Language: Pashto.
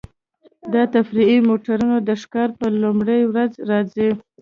دا تفریحي موټرونه د ښکار په لومړۍ ورځ راځي